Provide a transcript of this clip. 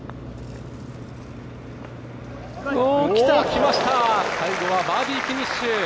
きました、最後はバーディーフィニッシュ。